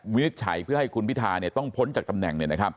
วินิจฉัยเพื่อให้คุณพิทาต้องพ้นจากตำแหน่ง